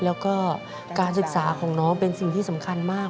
แล้วก็การศึกษาของน้องเป็นสิ่งที่สำคัญมาก